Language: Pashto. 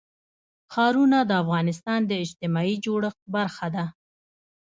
ښارونه د افغانستان د اجتماعي جوړښت برخه ده.